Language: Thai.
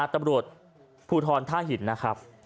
ตำรวจภูทรท่าหินนะครับ